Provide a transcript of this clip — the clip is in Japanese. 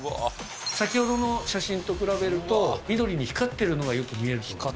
先ほどの写真と比べると緑に光ってるのがよく見える。